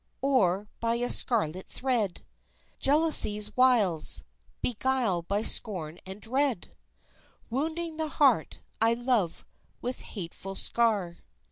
Or by a scarlet thread Jealousy's wiles, beguile by scorn and dread? Wounding the heart I love with hateful scar.